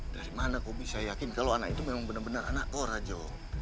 dari mana kau bisa yakin kalau anak itu memang benar benar anak kau rajo